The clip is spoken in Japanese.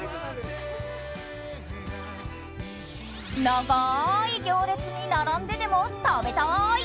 長い行列に並んででも食べたい！